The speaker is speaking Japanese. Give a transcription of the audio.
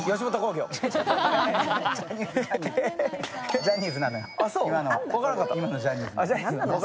ジャニーズなの今のジャニーズ。